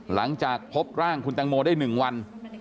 หลังจากพบร่างคุณตังโมได้๑วัน